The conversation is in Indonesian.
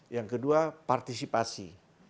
yang kedua partisipasi